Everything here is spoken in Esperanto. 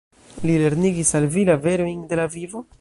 Li lernigis al vi la verojn de la vivo?